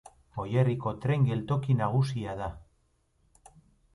Goierriko tren geltoki nagusia da.